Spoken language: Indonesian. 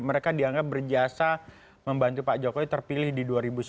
mereka dianggap berjasa membantu pak jokowi terpilih di dua ribu sembilan belas